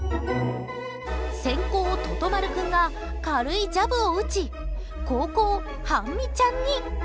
先攻、ととまる君が軽いジャブを打ち後攻、はんみちゃんに。